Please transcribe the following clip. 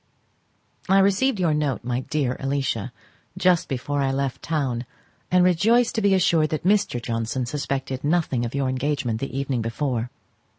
I received your note, my dear Alicia, just before I left town, and rejoice to be assured that Mr. Johnson suspected nothing of your engagement the evening before.